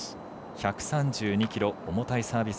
１３２キロ重たいサービス。